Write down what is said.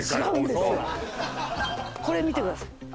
これ見てください